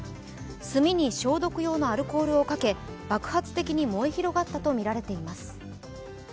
炭に消毒用のアルコールをかけ爆発的に燃え広がったとみられています。